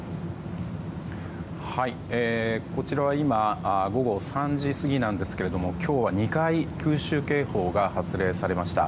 こちらは今午後３時過ぎですが今日は２回空襲警報が発令されました。